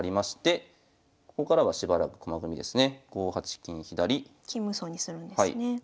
金無双にするんですね。